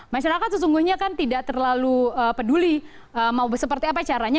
masyarakat sesungguhnya kan tidak terlalu peduli mau seperti apa caranya